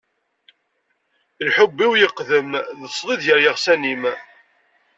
Lḥubb-iw yeqdem d sḍid gar yiɣsan-im.